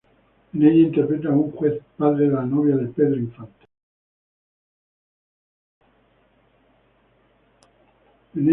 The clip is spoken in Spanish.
En ella interpreta a un juez, padre de la novia de Pedro Infante.